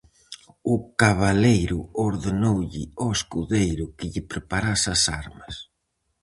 O cabaleiro ordenoulle ao escudeiro que lle preparase as armas.